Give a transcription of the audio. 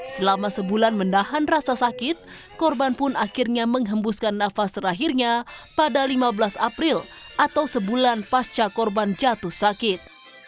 selama sebulan menahan rasa sakit korban pun akhirnya menghembuskan nafas terakhirnya pada lima belas april atau sebulan pasca korban jatuh sakit